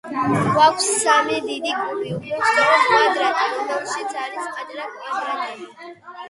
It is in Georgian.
გვაქვს სამი დიდი კუბი, უფრო სწორედ კვადრატი, რომელშიც არის პატარა კვადრატები.